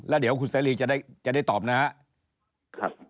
แล้วเดี๋ยวคุณเสรีจะได้ตอบนะครับ